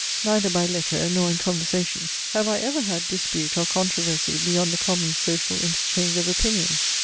Neither by letter, nor in conversation, have I ever had dispute or controversy beyond the common social interchange of opinions.